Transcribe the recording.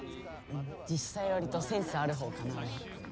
実際割と、センスある方かなって。